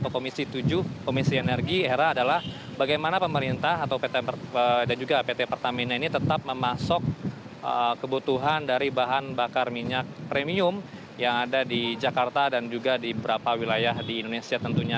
komisi tujuh komisi energi hera adalah bagaimana pemerintah atau pt pertamina ini tetap memasuk kebutuhan dari bahan bakar minyak premium yang ada di jakarta dan juga di beberapa wilayah di indonesia tentunya